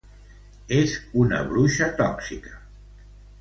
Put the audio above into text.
És una bruixa tòxica.